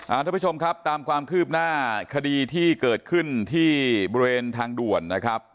ทุกผู้ชมครับตามความคืบหน้าคดีที่เกิดขึ้นที่บริเวณทางด่วนนะครับ